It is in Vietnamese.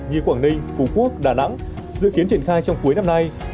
như quảng ninh phú quốc đà nẵng dự kiến triển khai trong cuối năm nay